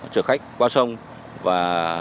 chở khách qua sông và